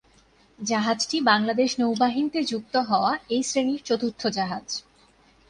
জাহাজটি বাংলাদেশ নৌবাহিনীতে যুক্ত হওয়া এই শ্রেণির চতুর্থ জাহাজ।